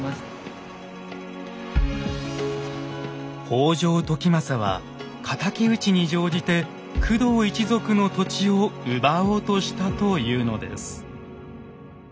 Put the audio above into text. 北条時政は敵討ちに乗じて工藤一族の土地を奪おうとしたというのです。